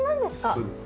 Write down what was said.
そうです。